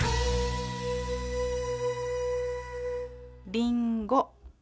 りんご。